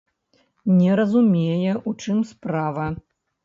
Не разумее, у чым справа.